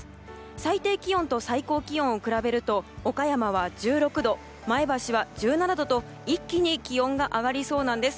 最低気温と最高気温を比べると岡山は１６度前橋は１７度と一気に気温が上がりそうです。